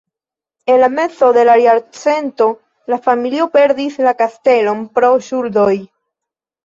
En mezo de la jarcento la familio perdis la kastelon pro ŝuldoj.